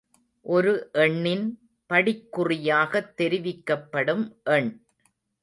ஒரு எண்ணின் படிக்குறியாகத் தெரிவிக்கப்படும் எண்.